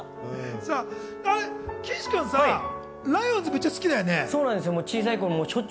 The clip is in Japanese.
岸君さ、ライオンズめっちゃ好きだよね。